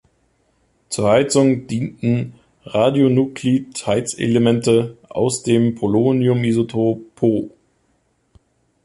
Zur Heizung dienten Radionuklid-Heizelemente aus dem Polonium-Isotop Po.